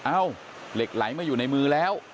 เหล็กไหลมาอยู่ในมือแล้ว